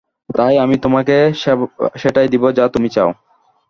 তাই আমি তোমাকে সেটাই দিব যা তুমি চাও।